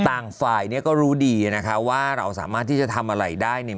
ต่างฝ่ายเนี่ยก็รู้ดีนะคะว่าเราสามารถที่จะทำอะไรได้เนี่ย